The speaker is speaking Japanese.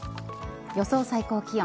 予想最高気温。